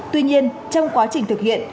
tuy nhiên trong quá trình thực hiện